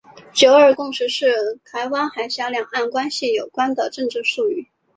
九二共识是与台湾海峡两岸关系有关的政治术语。